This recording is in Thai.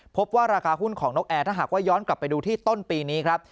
พบว่าราคาหุ้นของนกแอร์ถ้าหากว่าย้อนกลับไปดูที่ต้นปีนี้ครับ